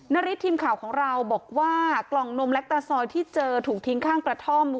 นาริสทีมข่าวของเราบอกว่ากล่องนมและตาซอยที่เจอถูกทิ้งข้างกระท่อม